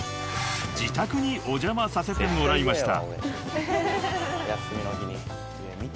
［自宅にお邪魔させてもらいました］